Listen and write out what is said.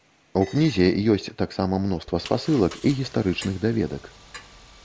У кнізе ёсць таксама мноства спасылак і гістарычных даведак.